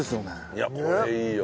いやこれいいよ。